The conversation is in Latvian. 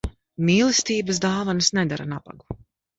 Mīlestības dāvanas nedara nabagu.